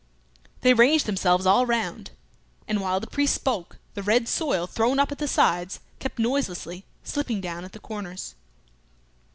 They ranged themselves all round; and while the priest spoke, the red soil thrown up at the sides kept noiselessly slipping down at the corners.